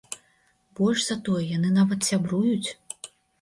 Больш за тое, яны нават сябруюць.